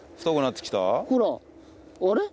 あれ？